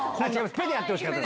ぺでやってほしかった。